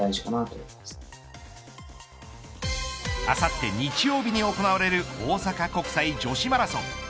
あさって日曜日に行われる大阪国際女子マラソン。